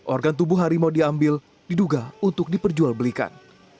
organ tubuh harimau diambil diduga untuk diperjual belikan